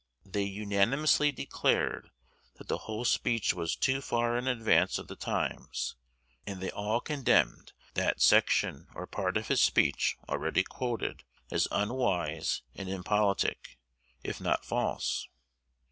They unanimously declared that the whole speech was too far in advance of the times; and they all condemned that section or part of his speech already quoted, as unwise and impolitic, if not false.